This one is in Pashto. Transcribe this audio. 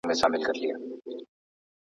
خان په لور پسي کوله خیراتونه ,